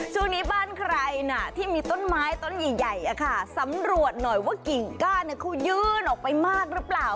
ช่วงนี้บ้านใครนะที่มีต้นไม้ต้นใหญ่สำรวจหน่อยว่ากิ่งก้านเขายื่นออกไปมากหรือเปล่า